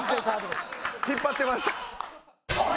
引っ張ってました？